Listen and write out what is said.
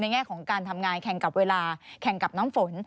แง่ของการทำงานแข่งกับเวลาแข่งกับน้ำฝน